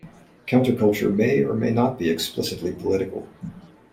Counterculture may or may not be explicitly political.